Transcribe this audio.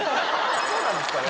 そうなんですかね？